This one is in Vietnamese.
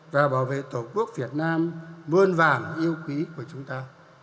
và bảo vệ tổ quốc việt nam muôn vàng yêu quý của chúng ta